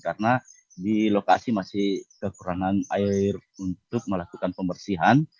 karena di lokasi masih kekurangan air untuk melakukan pembersihan